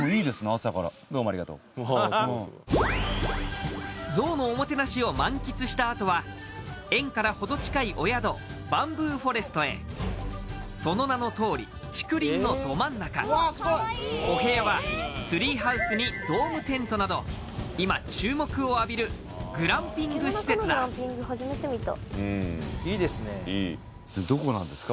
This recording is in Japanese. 朝からぞうのおもてなしを満喫したあとは園から程近いお宿バンブーフォレストへその名のとおり竹林のど真ん中お部屋はツリーハウスにドームテントなど今注目を浴びるグランピング施設だどこなんですか？